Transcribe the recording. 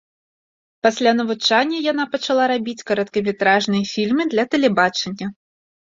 Пасля навучання яна пачала рабіць кароткаметражныя фільмы для тэлебачання.